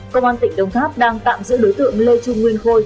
công an tỉnh đồng tháp đang tạm giữ đối tượng lê trung nguyên khôi